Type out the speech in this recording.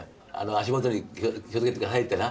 「足元に気を付けて下さい」ってな。